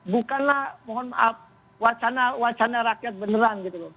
bukanlah mohon maaf wacana wacana rakyat beneran gitu loh